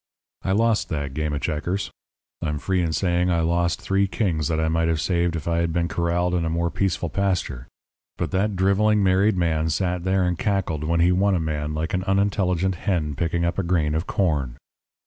"I lost that game of checkers. I'm free in saying that I lost three kings that I might have saved if I had been corralled in a more peaceful pasture. But that drivelling married man sat there and cackled when he won a man like an unintelligent hen picking up a grain of corn.